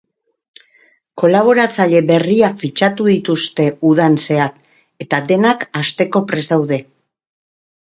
Kolaboratzaile berriak fitxatu dituzte udan zehar eta denak hasteko prest daude.